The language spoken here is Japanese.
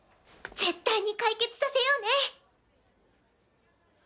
絶対に解決させようね！